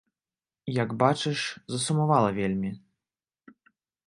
Як бачыш, засумавала вельмі.